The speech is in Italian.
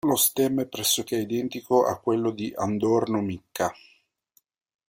Lo stemma è pressoché identico a quello di Andorno Micca.